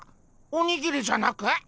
おにぎりじゃなく？